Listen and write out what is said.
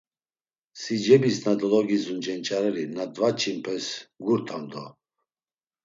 Si cebis na dologizun cenç̌areri na dvaç̌inpes gurtam do!